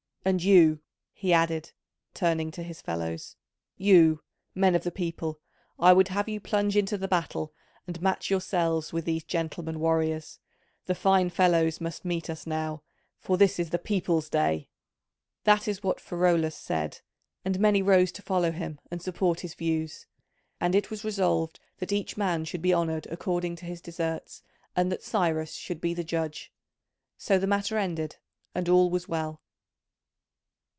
And you," he added, turning to his fellows, "you, men of the people, I would have you plunge into the battle and match yourselves with these gentlemen warriors: the fine fellows must meet us now, for this is the people's day." That is what Pheraulas said, and many rose to follow him and support his views. And it was resolved that each man should be honoured according to his deserts and that Cyrus should be the judge. So the matter ended, and all was well.